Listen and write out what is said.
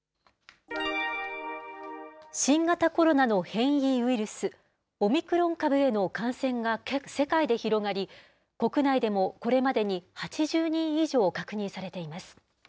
新型コロナの変異ウイルス、オミクロン株への感染が世界で広がり、国内でもこれまでに８０人以上確認されています。